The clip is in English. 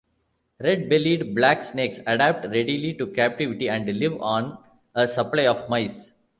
Red-bellied black snakes adapt readily to captivity and live on a supply of mice.